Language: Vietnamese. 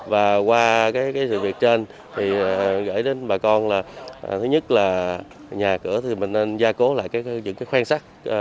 và qua sự việc trên thì gửi đến bà con là thứ nhất là nhà cửa thì mình nên gia cố lại những khoen sắt